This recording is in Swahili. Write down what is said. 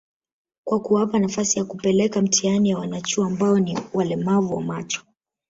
kwa kuwapa nafasi ya kupeleka mtihani ya wanachuo ambao ni walemavu wa macho